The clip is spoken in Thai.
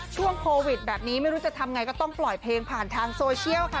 ช่วงโควิดแบบนี้ไม่รู้จะทำไงก็ต้องปล่อยเพลงผ่านทางโซเชียลค่ะ